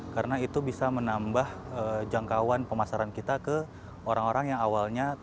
karena itu bisa menambah jangkauan pemasaran kita ke orang orang yang awalnya